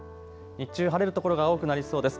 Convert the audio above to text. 日中晴れる所が多くなりそうです。